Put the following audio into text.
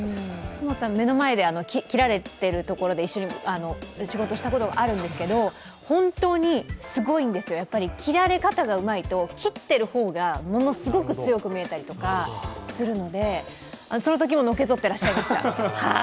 福本さん、目の前で斬られてるところで仕事したことあるんですけど本当にすごいんですよ、斬られ方がうまいと斬っている方がものすごく強く見えたりとか、そのときものけぞってらっしゃいました。